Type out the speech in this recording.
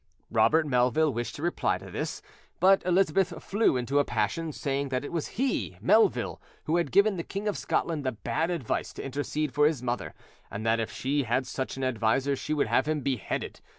Robert Melville wished to reply to this; but Elizabeth flew into a passion, saying that it was he, Melville, who had given the King of Scotland the bad advice to intercede for his mother, and that if she had such an adviser she would have him beheaded.